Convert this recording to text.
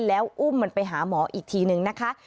แล้วอุ้มมันไปหาหมออีกทีนึงนะคะ